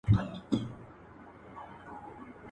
• چي خواست کوې، د آس ئې کوه.